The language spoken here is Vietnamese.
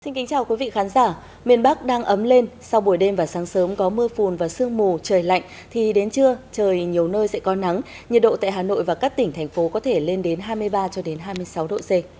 xin kính chào quý vị khán giả miền bắc đang ấm lên sau buổi đêm và sáng sớm có mưa phùn và sương mù trời lạnh thì đến trưa trời nhiều nơi sẽ có nắng nhiệt độ tại hà nội và các tỉnh thành phố có thể lên đến hai mươi ba hai mươi sáu độ c